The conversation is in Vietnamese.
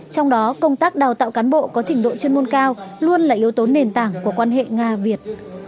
trong đó công tác đào tạo cán bộ có trình độ chuyên môn cao luôn là yếu tố nền tảng của quan hệ nga việt